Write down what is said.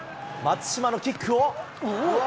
松島のキックを。